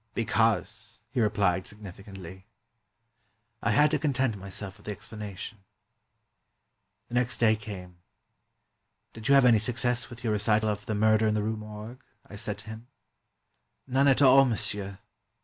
"Be cause," he rephed significantly. 396 POE'S TALES AT THE PERSIAN COURT I had to content myself with the explanation. The next day came. " Did you have any success with your recital of ' The Murder in the Rue Morgue '?" I said to him. "None at all, monsieur."